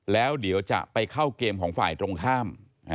แล้วเดี๋ยวจะไปเข้าเกมของฝ่ายตรงข้าม